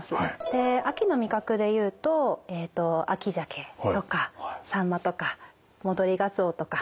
で秋の味覚でいうと秋じゃけとかさんまとか戻りがつおとか。